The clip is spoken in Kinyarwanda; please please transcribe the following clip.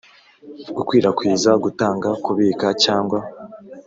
Gukwirakwiza gutanga kubika cyangwa